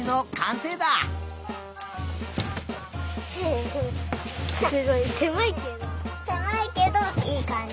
せまいけどいいかんじ。